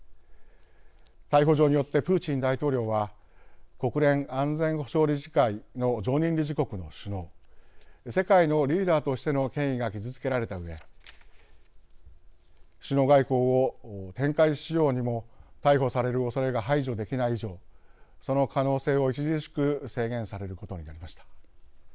逮捕状によってプーチン大統領は国連安全保障理事会の常任理事国の首脳世界のリーダーとしての権威が傷つけられたうえ首脳外交を展開しようにも逮捕されるおそれが排除できない以上その可能性を著しく制限されることになりました。